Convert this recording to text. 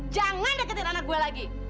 jangan deketin anak gue lagi